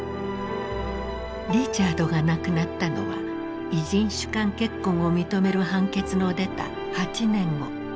リチャードが亡くなったのは異人種間結婚を認める判決の出た８年後。